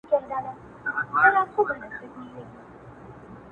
که دي دا هډوکی وکېښ زما له ستوني؛